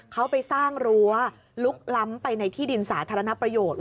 เขาไปสร้างรั้วลุกล้ำไปในที่ดินสาธารณประโยชน์